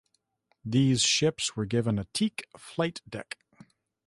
These ships were given a teak flight deck.